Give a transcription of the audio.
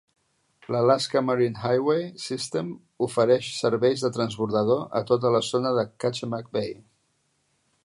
L'Alaska Marine Highway System ofereix serveis de transbordador a tota la zona de Kachemak Bay.